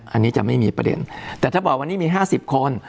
อันนี้จะไม่มีประเด็นแต่ถ้าบอกวันนี้มี๕๐คน